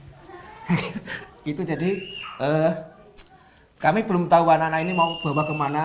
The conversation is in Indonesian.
begitu jadi kami belum tahu anak anak ini mau bawa ke mana